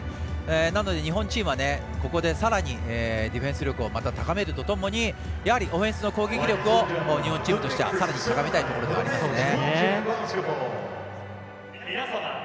なので、日本チームはここで、さらにディフェンス力をまた高めるとともにオフェンスの攻撃力を日本チームとしてはさらに高めたいところでありますね。